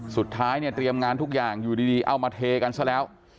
สุดท้ายเนี่ยเตรียมงานทุกอย่างอยู่ดีเอามาเทกันซะแล้ว